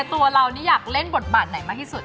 ตัวเรานี่อยากเล่นบทบาทไหนมากที่สุด